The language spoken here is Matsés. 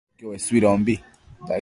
badedquio uesuidombi